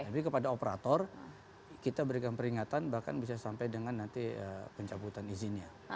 tapi kepada operator kita berikan peringatan bahkan bisa sampai dengan nanti pencabutan izinnya